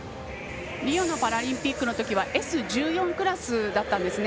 リオのパラリンピックのときはＳ１４クラスだったんですね。